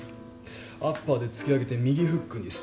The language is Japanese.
アッパーで突き上げて右フックにストレート。